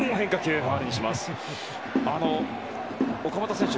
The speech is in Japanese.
岡本選手